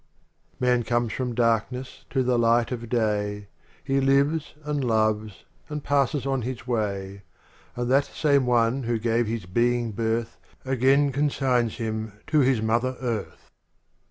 ui Man comes From darkness to the light of day, He lives and loves and passes on his way, And that same One who gave his being birth Again consigns him to his mother earth.